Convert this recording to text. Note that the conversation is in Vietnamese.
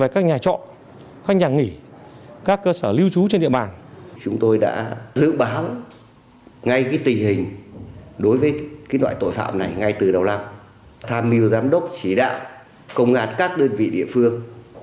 cảm ơn các giám đốc chỉ đạo công an các đơn vị địa phương